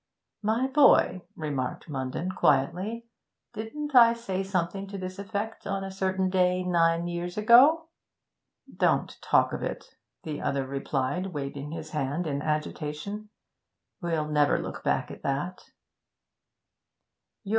'My boy,' remarked Munden quietly, 'didn't I say something to this effect on a certain day nine years ago?' 'Don't talk of it,' the other replied, waving his hand in agitation. 'We'll never look back at that.'